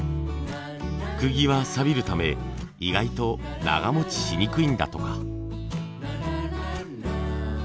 くぎはサビるため意外と長持ちしにくいんだとか。